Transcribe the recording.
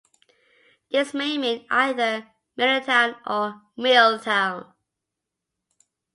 This may mean either 'middle town' or 'mill town'.